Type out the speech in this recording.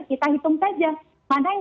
kita hitung saja mana yang